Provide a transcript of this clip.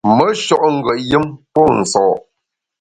Me sho’ ngùet yùm pô nso’.